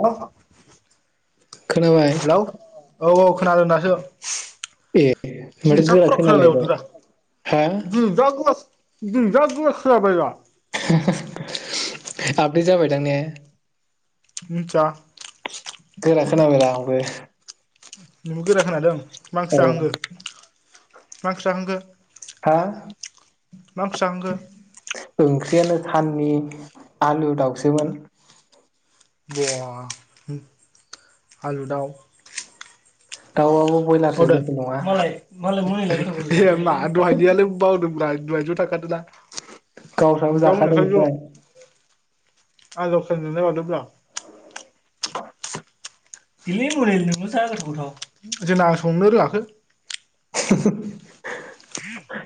अह खोनाबाय औ औ खोनादों दासो ए ओमफ्राय दिनैसा गोरा खरा खोनानाय खोनालायबाय हरदों रा हा दिनै जा गुवास दिनै जा गोरा खोनाबाय दा आपडेट जाबाय दां ने मिथिया गोरा खोनाबायरा आंबो नोंबो गोरा खोनादों मा ओंख्रि औ जाखांखो? मा ओंख्रि जाखांखो? हा मा ओंख्रि जाखांखो? ओंख्रियानो साननि आलु दाउसोमोन। बा आलु दाउ। औ [unintelligible] [unintelligible] औ। ए मा दहायनियालाय बावदोंब्रा आं। दहायथ' थाखादोंना। गावस्राल जाखादों ओंफ्राय। आं [unintelligible] नुनाय हरदोंब्रा दिलै नोंल जा गोथाव गोथाव जोंना संनो रोङाखै।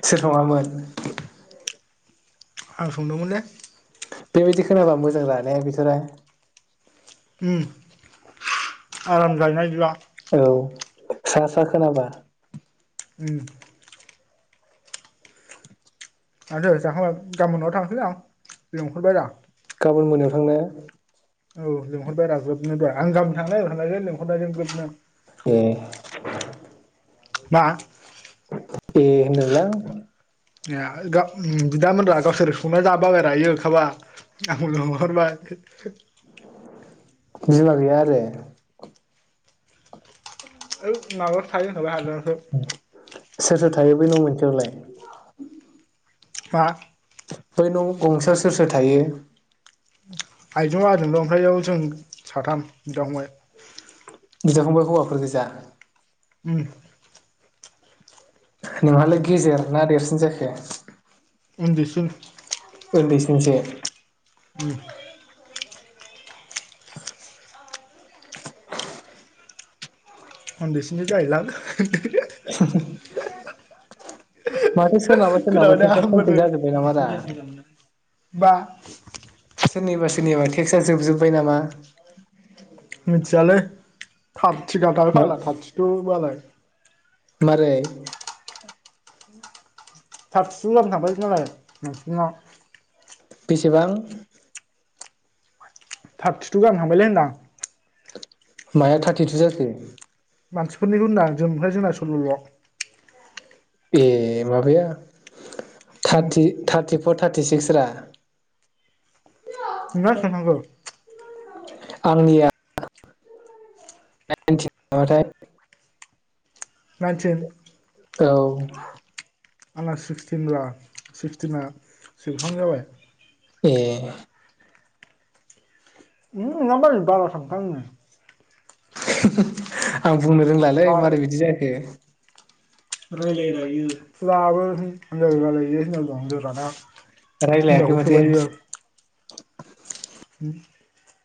सोर सङामोन? आं संदोंमोन लै बेबायदि खोनाबा मोजां ना रे बिथराय। उज्ञ आराम जायोना बिदिबा। औ स्रा स्रा खोनाबा। उम। माथो जाखांबाय गाबोन नआव थांसैलै आं लिंहरबाय रा। गाबोन मोनायाव थांनो। औ लिंहरबाय राजुआ आं गामोन थांनो नागिरखानायजों लेंहरनायजों ग्रोबनो। ए। मा? ए होनदों लां। ए बिदामोनहा गावसोर संना जाबायरा ओंखामा आंखौ लिंहरबाय। बिमा गैया आरो ओइ माबायावसो थायो हादान [unintelligible] सोर सोर थायो बे न' मोनसेयावलाय? मा? बै न' गंसे सोर सोर थायो? आइजो बाबाजोंल' ओमफ्राय जों साथाम बिदा फंबाय। बिदा फंबाय हौवाफोर गोजा। उम। नोंहालाय गेजेर ना देरसिन जाखो। उन्दैसिन। उन्दैसिनसो। उम। उन्दैसिनि जाहैलां। माथो सोरनाबा सोरनाबा खोनाबायदा टेक्सआ खमप्लिट जाजोब्बाय नामारा बा सोरनिबा सोरनिबा टेक्सआ जोबजोबबाय नामा? मिथियालै थाम थिगा दाब फाला थाथिथ' मालाय। मारै। थारदि थु थांबाय मालाय मानसिफोरना। बेसेबां? थाब थिथु गाहाम थांबायलै होनदां। माया थारटिथु जाखो? मानसिफोरनिखौ होनदों आं जों ओमफ्राय जोंना सल्लल'। ए माबाया। थारथि थार थिफर थार्थि सिक्स रा। नोंना बेबेबां थांखो आंनिया [unintelligible] थाय। नाइथिन औ आंना सिक्सटिन ब्रा सिक्सटिना सेबहां जाबाय। एह उम नोंना मालाय बारा [unintelligible] [inaudible] आं बुंनो रोंलालै फुराबो मारै बिदि जाखो। [unintelligible] रायलायाखै हिनजावखौ सोबाय माथो इयो। [inaudible]